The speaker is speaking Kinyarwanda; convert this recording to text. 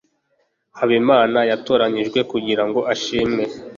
habimana yatoranijwe kugirango ashimwe